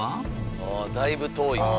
あだいぶ遠いか。